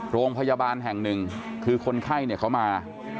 โรงพยาบาลแห่งหนึ่งคือคนไข้เนี่ยเขามา